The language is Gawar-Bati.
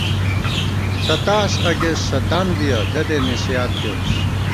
ستاس اگست ستانوِیَہ دَدےنَصِیحت کېرُوس